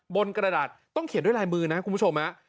กระดาษต้องเขียนด้วยลายมือนะคุณผู้ชม